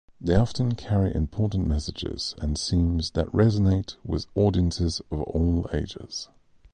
They often carry important messages and themes that resonate with audiences of all ages.